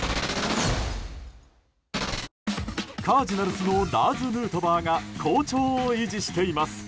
カージナルスのラーズ・ヌートバーが好調を維持しています。